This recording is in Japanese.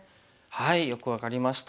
よく分かりました。